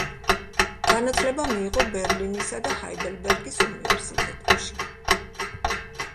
განათლება მიიღო ბერლინისა და ჰაიდელბერგის უნივერსიტეტებში.